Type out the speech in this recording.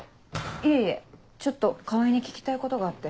いえいえちょっと川合に聞きたいことがあって。